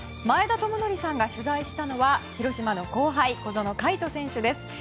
前田智徳さんが取材したのは広島の後輩小園海斗選手です。